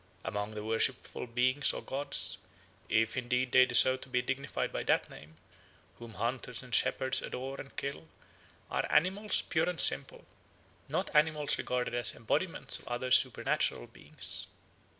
Among the worshipful beings or gods, if indeed they deserve to be dignified by that name, whom hunters and shepherds adore and kill are animals pure and simple, not animals regarded as embodiments of other supernatural beings.